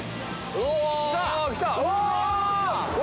うわ！